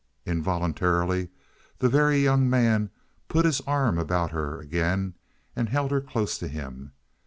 Involuntarily the Very Young Man put his arm about her again and held her close to him.